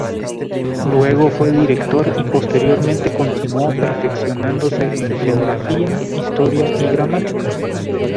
Luego fue director y posteriormente continuo perfeccionándose en Geografía, Historia y Gramática.